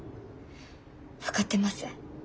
分かってます。